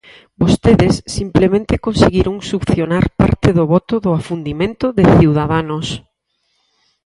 Vostedes simplemente conseguiron succionar parte do voto do afundimento de Ciudadanos.